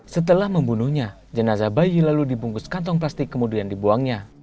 setelah membunuhnya jenazah bayi lalu dibungkus kantong plastik kemudian dibuangnya